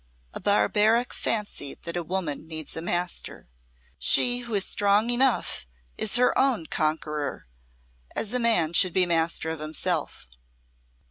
"A barbaric fancy that a woman needs a master. She who is strong enough is her own conqueror as a man should be master of himself."